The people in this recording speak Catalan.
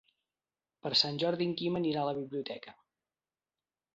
Per Sant Jordi en Quim anirà a la biblioteca.